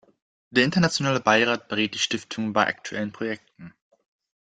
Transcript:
Der internationale Beirat berät die Stiftung bei aktuellen Projekten.